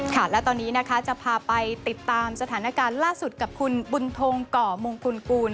และตอนนี้นะคะจะพาไปติดตามสถานการณ์ล่าสุดกับคุณบุญทงก่อมงกุลกูล